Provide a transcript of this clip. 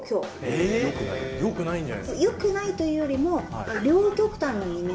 えっ？良くないというよりも。